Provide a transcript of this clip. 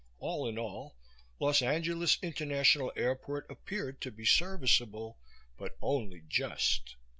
All in all, Los Angeles International Airport appeared to be serviceable, but only just.